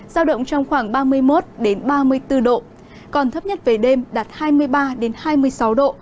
giao động trong khoảng ba mươi một ba mươi bốn độ còn thấp nhất về đêm đạt hai mươi ba hai mươi sáu độ